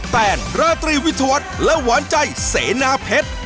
แนนราตรีวิทยาวัฒน์และหวานใจเสนาเพชร